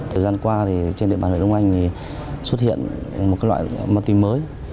thời gian qua thì trên địa bàn hội đồng anh thì xuất hiện một loại ma túy mới